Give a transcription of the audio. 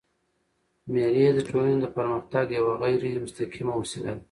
مېلې د ټولني د پرمختګ یوه غیري مستقیمه وسیله ده.